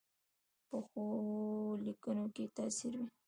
پخو لیکنو کې تاثیر وي